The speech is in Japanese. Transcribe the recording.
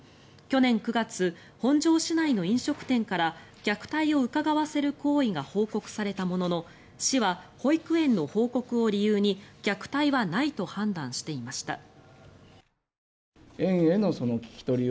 去年９月、本庄市内の飲食店から虐待をうかがわせる行為が報告されたものの市は保育園の報告を理由に虐待はないと判断していました。